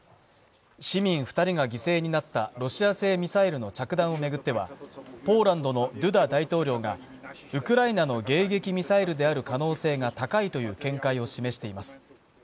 市民２人が犠牲になった、ロシア製ミサイルの着弾を巡っては、ポーランドのドゥダ大統領がウクライナの迎撃ミサイルである可能性が高いという見解を示しています。